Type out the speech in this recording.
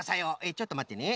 ちょっとまってね。